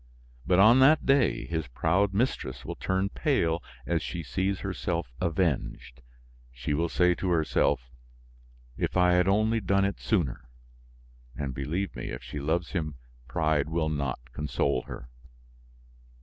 But, on that day, his proud mistress will turn pale as she sees herself avenged; she will say to herself: 'If I had only done it sooner!' And believe me, if she loves him, pride will not console her."